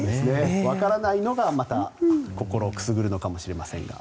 分からないのがまた心をくすぐるのかもしれません。